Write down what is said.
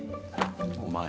お前。